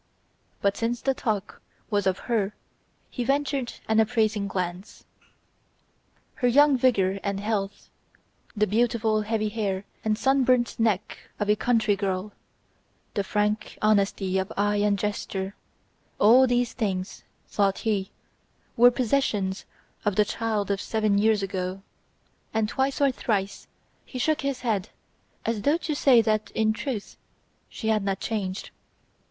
But since the talk was of her he ventured an appraising glance. Her young vigour and health, the beautiful heavy hair and sunburnt neck of a country girl, the frank honesty of eye and gesture, all these things, thought he, were possessions of the child of seven years ago; and twice or thrice he shook his head as though to say that, in truth, she had not changed.